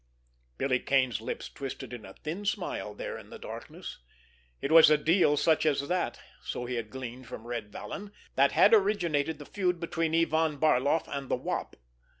Billy Kane's lips twisted in a thin smile there in the darkness. It was a deal such as that, so he had gleaned from Red Vallon, that had originated the feud between Ivan Barloff and the Wop.